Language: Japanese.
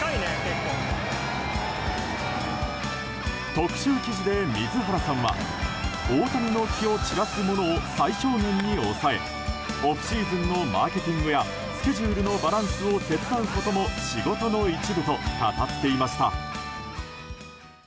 特集記事で、水原さんは大谷の気を散らすものを最小限に抑えオフシーズンのマーケティングやスケジュールのバランスを手伝うことも仕事の一部と語っていました。